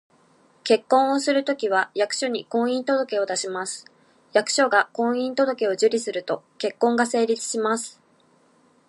結婚をするときは、役所に「婚姻届」を出します。役所が「婚姻届」を受理すると、結婚が成立します